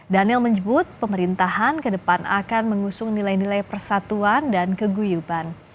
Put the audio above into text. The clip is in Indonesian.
daniel menyebut pemerintahan ke depan akan mengusung nilai nilai persatuan dan keguyuban